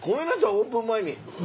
オープン前に。